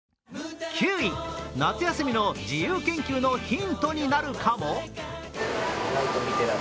夏休みの自由研究のヒントになるかも。